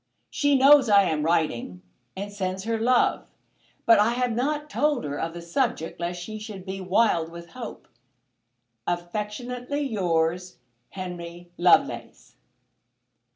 "She knows I am writing, and sends her love; but I have not told her of the subject lest she should be wild with hope. "Affectionately yours, "HENRY LOVELACE."